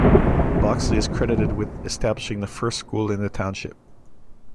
Boxley is credited with establishing the first school in the township.